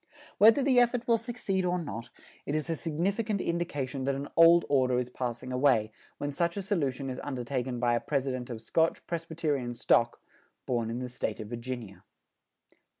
Whether the effort will succeed or not, it is a significant indication that an old order is passing away, when such a solution is undertaken by a President of Scotch Presbyterian stock, born in the State of Virginia.